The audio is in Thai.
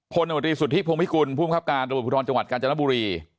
พลนวัตรีสุทธิพงภิคุณภูมิคับการระบบอุทธรณ์จังหวัดกาญจนบุรี